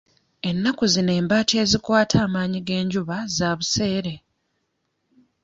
Ennaku zino embaati ezikwata amaanyi g'enjuba za buseere.